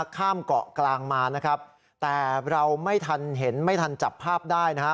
ข้ามเกาะกลางมานะครับแต่เราไม่ทันเห็นไม่ทันจับภาพได้นะฮะ